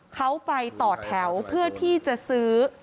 เขาไปต่อแถวเพื่อที่จะซื้อ